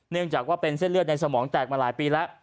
เนื่องจากว่าเป็นเส้นเลือดในสมองแตกมาหลายปีแล้ว